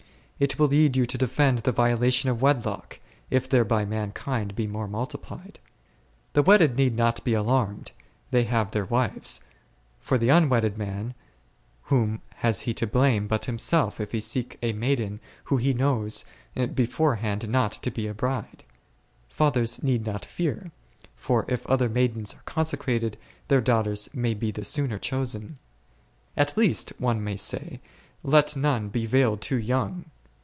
It will lead you to defend the violation of wedlock, if thereby mankind may be more multiplied. The wedded need not be alarmed, they have their wives ; for the unwedded man, whom has he to blame but himself, if he seek a maiden who he knows be forehand will not be a bride ? Fathers need not fear, for if other maidens are consecrated, their daughters may be the sooner chosen. " At least/' one may say, " let none be veiled too young."